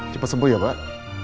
cepat sembuh ya pak